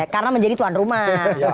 karena menjadi tuan rumah